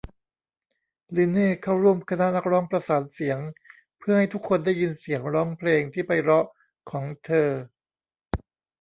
ลีนเน่เข้าร่วมคณะนักร้องประสานเสียงเพื่อให้ทุกคนได้ยินเสียงร้องเพลงที่ไพเราะของเธอ